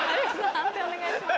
判定お願いします。